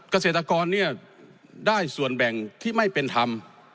เกษตรกรเนี่ยได้ส่วนแบ่งที่ไม่เป็นธรรม